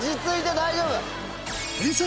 大丈夫。